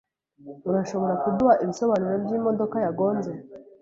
Urashobora kuduha ibisobanuro byimodoka yagonze ?